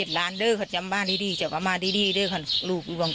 ตรงนั้นเขาจะออกน้ำตาลหน่อย